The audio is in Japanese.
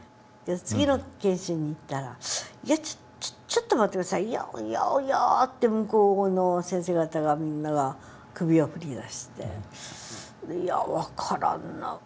次の検診に行ったら「いやちょっと待って下さいいやぁいやぁ」って向こうの先生方がみんなが首を振りだして「いや分からんな」。